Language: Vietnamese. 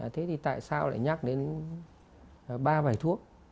thế thì tại sao lại nhắc đến ba bài thuốc